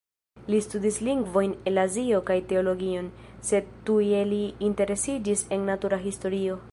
Li studis lingvojn el Azio kaj teologion, sed tuje li interesiĝis en natura historio.